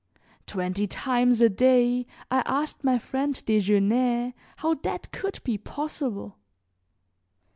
Twenty times a day I asked my friend Desgenais how that could be possible.